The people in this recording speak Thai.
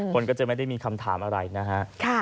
คนก็จะไม่ได้มีคำถามอะไรนะฮะ